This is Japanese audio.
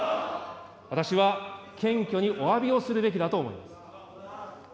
私は謙虚におわびをするべきだと思います。